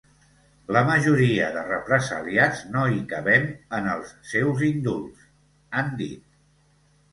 “La majoria de represaliats no hi cabem, en els seus indults”, han dit.